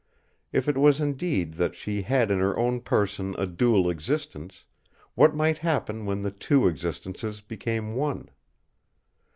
If it was indeed that she had in her own person a dual existence, what might happen when the two existences became one?